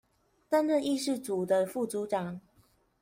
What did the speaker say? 擔任議事組的副組長